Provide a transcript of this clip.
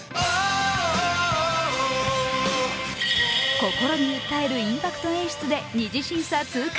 心に訴えるインパクト演出で二次審査通過。